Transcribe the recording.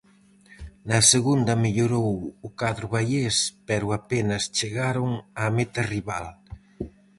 Na segunda mellorou o cadro baiés, pero apenas chegaron á meta rival.